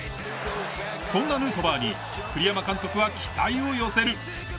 そんなヌートバーに栗山監督は期待を寄せる。